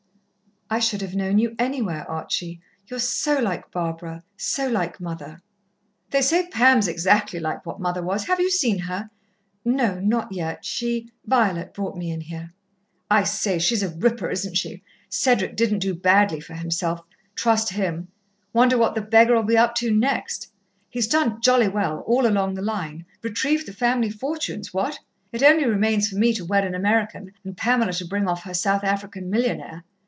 "I should have known you anywhere, Archie. You're so like Barbara so like mother." "They say Pam's exactly like what mother was. Have you seen her?" "No, not yet. She Violet brought me in here." "I say, she's a ripper, isn't she? Cedric didn't do badly for himself trust him. Wonder what the beggar'll be up to next? He's done jolly well, all along the line retrieved the family fortunes, what? It only remains for me to wed an American, and Pamela to bring off her South African millionaire.